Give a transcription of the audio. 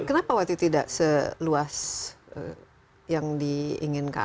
kenapa waktu itu tidak seluas yang diinginkan